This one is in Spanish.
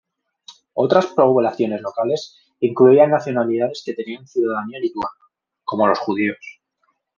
Otras poblaciones locales incluían nacionalidades que tenían ciudadanía lituana, como los judíos.